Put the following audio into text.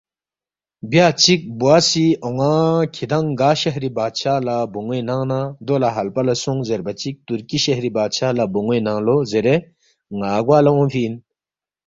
بیا چِک بوا سی اون٘ا کِھدانگ گا شہری بادشاہ لہ بون٘وے ننگ نہ دو لہ ہلپہ لہ سونگ زیربا چِک تُرکی شہری بادشاہ لہ بون٘وے ننگ لو زیرے ن٘ا گوا لہ اونگفی اِن